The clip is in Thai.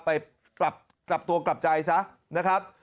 ไปกลับตัวกลับใจซะนะครับ